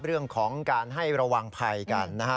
เรื่องของการให้ระวังภัยกันนะฮะ